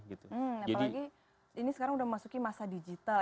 apalagi ini sekarang sudah memasuki masa digital